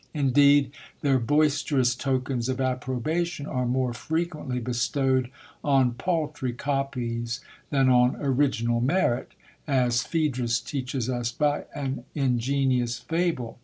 Indeed, their boisterous tokens of approbation are more frequently bestowed on paltry copies than on original merit, as Phedrus teaches us by an ingenious fable.